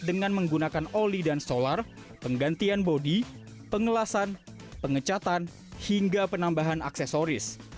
dengan menggunakan oli dan solar penggantian bodi pengelasan pengecatan hingga penambahan aksesoris